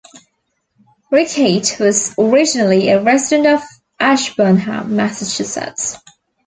Rickheit was originally a resident of Ashburnham, Massachusetts.